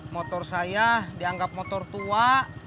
motor saya dianggap motor tua